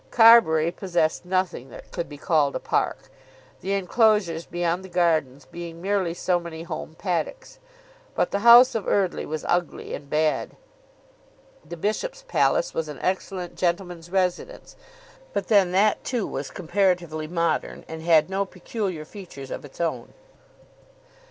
Carbury possessed nothing that could be called a park, the enclosures beyond the gardens being merely so many home paddocks. But the house of Eardly was ugly and bad. The Bishop's palace was an excellent gentleman's residence, but then that too was comparatively modern, and had no peculiar features of its own.